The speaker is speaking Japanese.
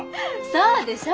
そうでしょ？